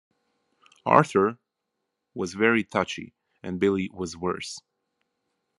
Arthur was very touchy, and Billy was worse.